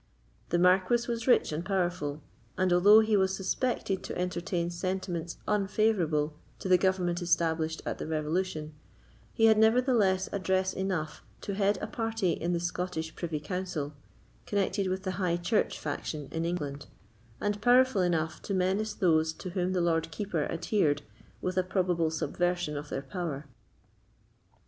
The Marquis was rich and powerful; and although he was suspected to entertain sentiments unfavourable to the government established at the Revolution, he had nevertheless address enough to head a party in the Scottish privy council, connected with the High Church faction in England, and powerful enough to menace those to whom the Lord Keeper adhered with a probable subversion of their power.